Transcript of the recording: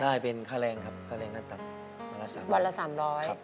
ได้เป็นค่าแรงครับค่าแรงค่าตังค์วันละสามร้อย